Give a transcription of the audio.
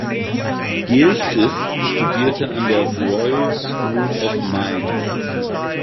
Gilchrist studierte an der Royal School of Mines.